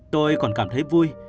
tôi còn cảm thấy vui